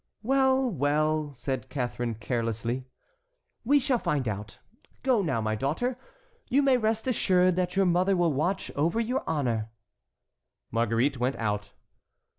"Well, well," said Catharine, carelessly, "we shall find out. Go now, my daughter. You may rest assured that your mother will watch over your honor." Marguerite went out.